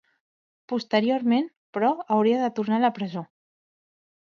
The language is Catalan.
Posteriorment, però, hauria de tornar a la presó.